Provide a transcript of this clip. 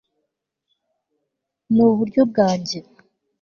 nuburyo bwanjye